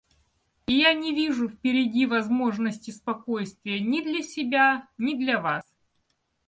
И я не вижу впереди возможности спокойствия ни для себя, ни для вас.